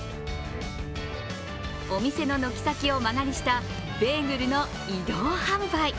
お店の軒先を間借りしたベーグルの移動販売。